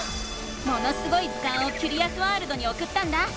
「ものすごい図鑑」をキュリアスワールドにおくったんだ。